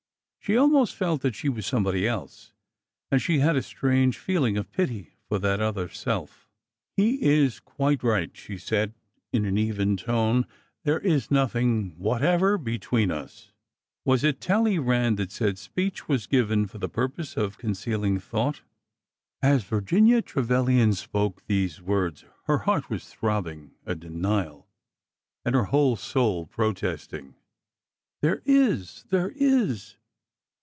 She almost felt that she was somebody i else, and she had a strange feeling of pity for that other j self. FORTUNES OF LOVE AND WAR 379 " He is quite right/' she said in an even tone ; there is* nothing whatever between us/' Was it Talleyrand that said speech was given for the purpose of concealing thought? As Virginia Trevilian spoke these words her heart was throbbing a denial and her whole soul protesting. There is ! there is